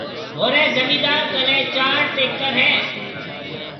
مهوريَ زميندار ڪني چار ٽيڪٽر هيَ۔